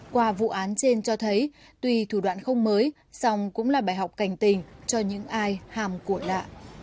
qua vụ án trên cho thấy tùy thủ đoạn không mới song cũng là bài học cảnh tình cho những ai hàm cổ lạ